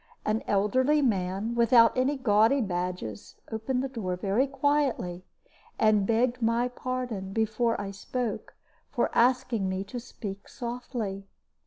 An elderly man, without any gaudy badges, opened the door very quietly, and begged my pardon, before I spoke, for asking me to speak softly.